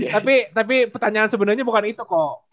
tapi tapi pertanyaan sebenernya bukan itu kok